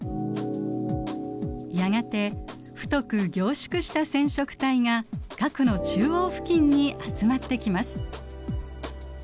やがて太く凝縮した染色体が核の中央付近に集まってきます。